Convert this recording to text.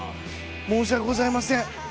申し訳ございません